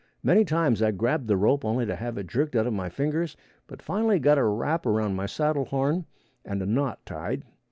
Many times I grabbed the rope only to have it jerked out of my fingers, but finally got a wrap around my saddle horn and a knot tied.